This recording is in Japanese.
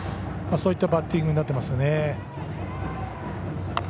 そういったバッティングになってますよね。